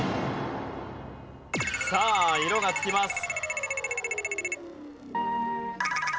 さあ色が付きます。